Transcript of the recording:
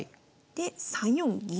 で３四銀。